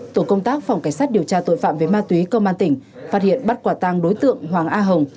tổ công tác phòng cảnh sát điều tra tội phạm về ma túy công an tỉnh phát hiện bắt quả tăng đối tượng hoàng a hồng